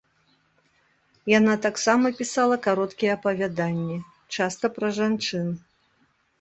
Яна таксама пісала кароткія апавяданні, часта пра жанчын.